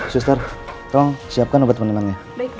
suster tolong siapkan obat penenangnya